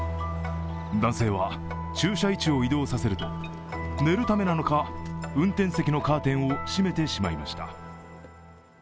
男性は駐車位置を移動させると、寝るためなのか、運転席のカーテンを閉めてしまいました。